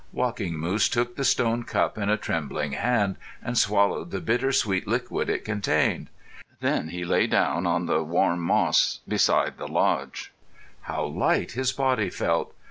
Walking Moose took the stone cup in a trembling hand and swallowed the bitter sweet liquid it contained. Then he lay down on the warm moss beside the lodge. How light his body felt!